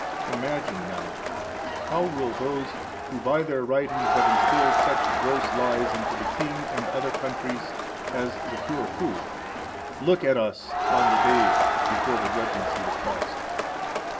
9 Imagine now, how will those who by their writings have instilled such gross lies into the king and other countries as the pure truth, look at us on that day before the judgment seat of Christ?